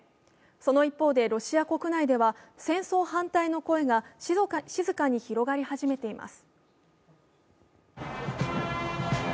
その一方で、ロシア国内では戦争反対の声が静かに広がり始めています。